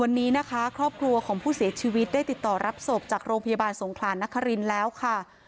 วันนี้นะคะครอบครัวของผู้เสียชีวิตได้ติดต่อรับศพจากโรงพยาบาลสงขลานนครินทร์แล้วค่ะ